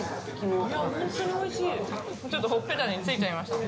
ちょっとほっぺたに付いちゃいましたね。